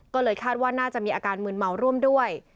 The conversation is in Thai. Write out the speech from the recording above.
ก็เลยคาดว่าน่าจะมีอาการมืนเมาร่วมด้วย